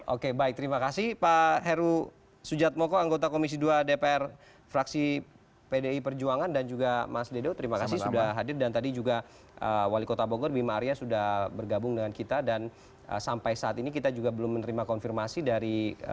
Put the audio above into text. oke baik terima kasih pak heru sujatmoko anggota komisi dua dpr fraksi pdi perjuangan dan juga mas dedo terima kasih sudah hadir dan tadi juga wali kota bogor bima arya sudah bergabung dengan kita dan sampai saat ini kita juga belum menerima konfirmasi dari